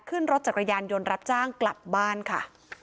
ขึ้นรถจักรยานยนต์รับจ้างกลับบ้านค่ะ